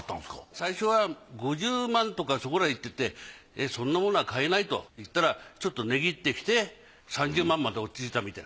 最初は５０万とかそこらと言っててそんなものは買えないと言ったらちょっとねぎってきて３０万まで落ち着いたみたい。